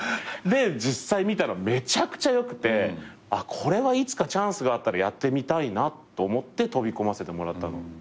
で実際見たらめちゃくちゃよくてこれはいつかチャンスがあったらやってみたいなと思って飛び込ませてもらったの。